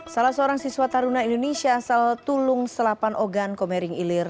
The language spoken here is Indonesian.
salah seorang siswa taruna indonesia asal tulung selapan ogan komering ilir